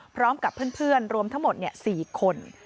พร้อมกับเพื่อนรวมทั้งหมด๔คน